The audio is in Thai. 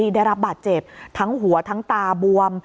ได้รับบาดเจ็บทั้งหัวทั้งตาบวม